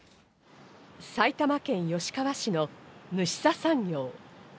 埼玉県吉川市のぬしさ産業。